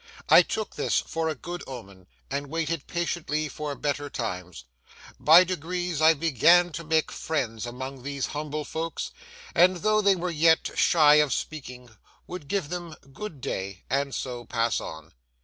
I took this for a good omen, and waited patiently for better times. By degrees I began to make friends among these humble folks; and though they were yet shy of speaking, would give them 'good day,' and so pass on.